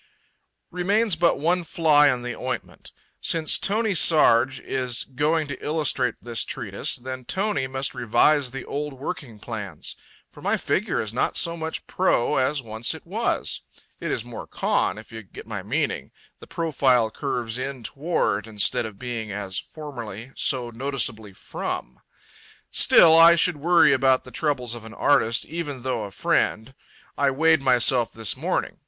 Remains but one fly in the ointment. Since Tony Sarg is going to illustrate this treatise, then Tony must revise the old working plans. For my figure is not so much pro as once it was. It is more con, if you get my meaning the profile curves in toward, instead of being, as formerly, so noticeably from. Still, I should worry about the troubles of an artist, even though a friend. I weighed myself this morning.